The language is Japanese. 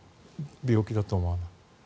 病気だと思わないで。